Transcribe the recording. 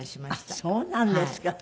あっそうなんですか。